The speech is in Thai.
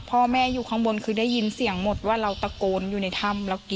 พ่อแม่อยู่ข้างบนคือได้ยินเสียงหมดว่าเราตะโกนอยู่ในถ้ำ